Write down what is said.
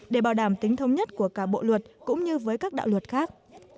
để bảo đảm tính thông nhất của cả bộ luật cũng như với các đạo luật khác